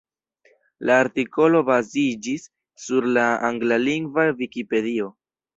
La artikolo baziĝis sur la anglalingva Vikipedio.